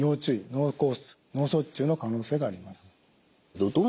脳卒中の可能性があります。